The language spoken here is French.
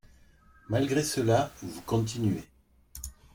Malgré cela, vous continuez.